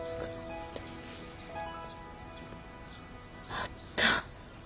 あった。